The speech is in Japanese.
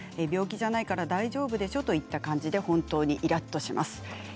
病気じゃないから大丈夫でしょうといった感じで本当にイラっとします。